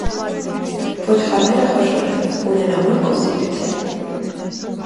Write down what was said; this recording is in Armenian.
Ոչխարները խոշոր են, ունեն ամուր կոնստիտուցիա։